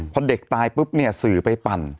พอเด็กตายปุ๊บเนี่ยสื่อไปปั่น